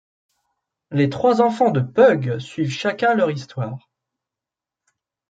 Les trois enfants de Pug suivent chacun leur histoire.